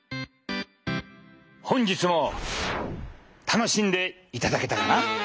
本日も楽しんでいただけたかな？